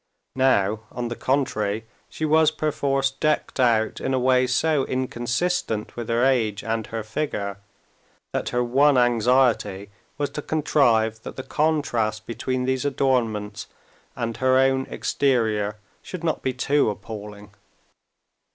Now, on the contrary, she was perforce decked out in a way so inconsistent with her age and her figure, that her one anxiety was to contrive that the contrast between these adornments and her own exterior should not be too appalling.